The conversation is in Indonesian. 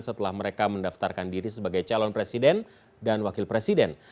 setelah mereka mendaftarkan diri sebagai calon presiden dan wakil presiden